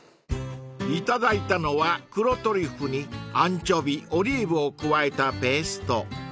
［いただいたのは黒トリュフにアンチョビオリーブを加えたペースト］